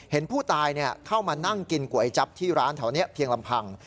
เห็นผู้ตายเข้ามานั่งกินก๋วยจับที่ร้านแถวนี้เพียงลำพัง